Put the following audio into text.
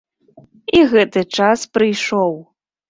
І гэты час прыйшоў.